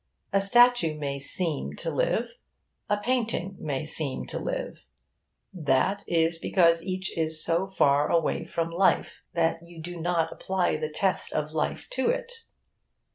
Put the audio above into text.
A statue may seem to live. A painting may seem to live. That is because each is so far away from life that you do not apply the test of life to it.